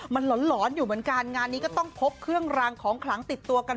มันหลอนอยู่เหมือนกันงานนี้ก็ต้องพกเครื่องรางของขลังติดตัวกัน